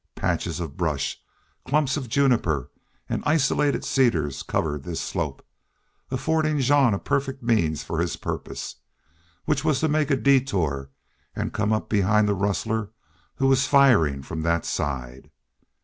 Patches of brush, clumps of juniper, and isolated cedars covered this slope, affording Jean a perfect means for his purpose, which was to make a detour and come up behind the rustler who was firing from that side.